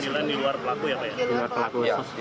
sembilan di luar pelaku ya pak